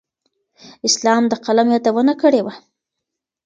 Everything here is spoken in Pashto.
اسلام د قلم یادونه کړې وه.